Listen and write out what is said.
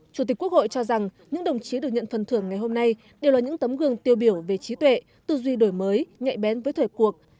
chủ tịch quốc hội cho rằng những đồng chí được nhận phần thưởng ngày hôm nay đều là những tấm gương tiêu biểu về trí tuệ tư duy đổi mới nhạy bén với thời cuộc